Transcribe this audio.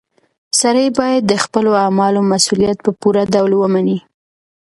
سړی باید د خپلو اعمالو مسؤلیت په پوره ډول ومني.